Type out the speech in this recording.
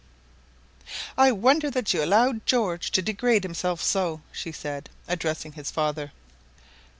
"I wonder that you allow George to degrade himself so," she said, addressing his father.